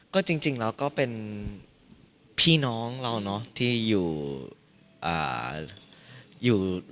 ก็จริงแล้วก็เป็นพี่น้องเราเนอะที่อยู่